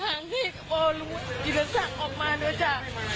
เปิดทางให้วรวุฒิวิรสักษ์ออกมาด้วยจ้ะ